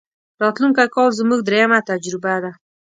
راتلونکی کال زموږ درېمه تجربه ده.